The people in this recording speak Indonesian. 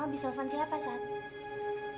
mama bisa telepon siapa sat